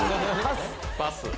パス。